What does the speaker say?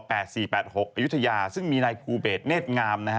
อายุทยาซึ่งมีนายภูเบสเนธงามนะฮะ